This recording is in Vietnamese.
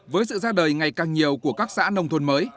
với sự ra đời ngày càng nhiều của các xã nông thôn mới